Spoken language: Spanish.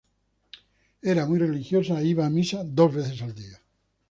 Era muy religiosa e iba a misa dos veces al día.